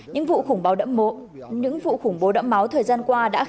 những vụ khủng bố đẫm máu thời gian qua đã